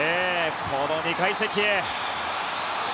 この２階席へ。